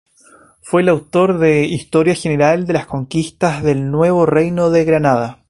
Fue el autor de "Historia general de las conquistas del Nuevo Reino de Granada".